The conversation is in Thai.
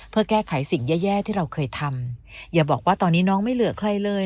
เพื่อแก้ไขสิ่งแย่ที่เราเคยทำอย่าบอกว่าตอนนี้น้องไม่เหลือใครเลย